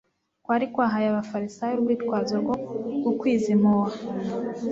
kwari kwahaye abafarisayo urwitwazo rwo gukwiza impuha.